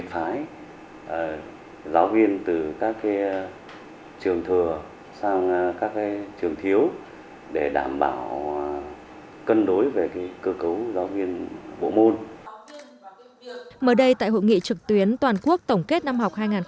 hội nghị trực tuyến toàn quốc tổng kết năm học hai nghìn một mươi chín hai nghìn hai mươi